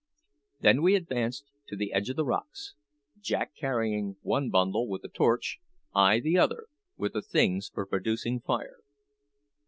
Then we advanced to the edge of the rocks Jack carrying one bundle, with the torch; I the other, with the things for producing fire.